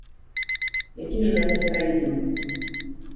Які ж гэта гераізм.